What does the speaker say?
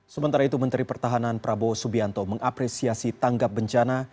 sementara itu menteri pertahanan prabowo subianto mengapresiasi tanggap bencana